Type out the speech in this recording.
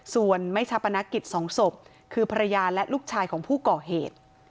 ส่วนไม่ชาปนกิจสองศพคือภรรยาและลูกชายของผู้ก่อเหตุ